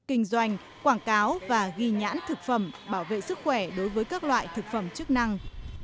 kinh doanh quảng cáo và ghi nhãn thực phẩm bảo vệ sức khỏe đối với các loại thực phẩm chức năng